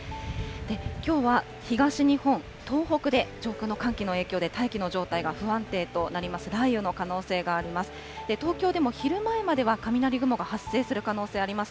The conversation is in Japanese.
きょうは東日本、東北で上空の寒気の影響で、大気の状態が不安定となります、雷雨の可能性があります。